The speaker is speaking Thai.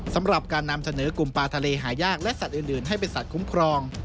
สำหรับการนำเสนอกลุ่มปลาทะเลหายากและสัตว์อื่นให้เป็นสัตว์คุ้มครอง